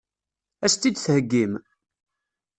Ad as-tt-id-theggim?